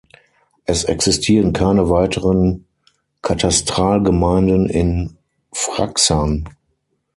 Es existieren keine weiteren Katastralgemeinden in Fraxern.